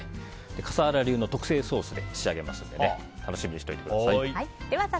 笠原流の特製ソースで仕上げますので楽しみにしてください。